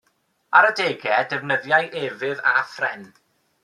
Ar adegau defnyddiai efydd a phren.